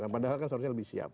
padahal kan seharusnya lebih siap